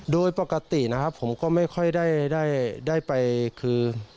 โดยปกตินะครับผมก็ไม่ค่อยได้ไปคือ